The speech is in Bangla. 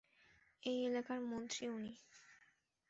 এই এলাকার মন্ত্রী উনি।